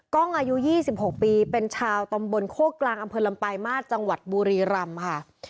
กล้องอายุ๒๖ปีเป็นชาวตำบลโคกกลางอำเภอลำปลายมาสจังหวัดบุรีรำค่ะ